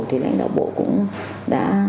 thì lãnh đạo bộ cũng đã